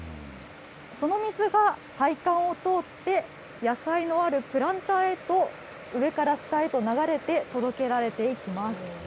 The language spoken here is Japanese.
その水が配管を通って、野菜のあるプランターへと上から下へと流れて届けられていきます。